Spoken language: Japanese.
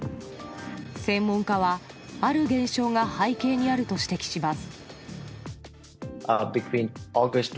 専門家はある現象が背景にあると指摘します。